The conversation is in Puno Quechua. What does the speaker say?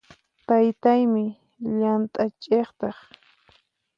Taytaymi llant'a ch'iqtaq.